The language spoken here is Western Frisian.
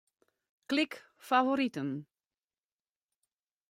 Klik Favoriten.